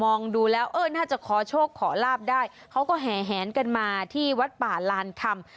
ดูแล้วเออน่าจะขอโชคขอลาบได้เขาก็แห่แหนกันมาที่วัดป่าลานคำ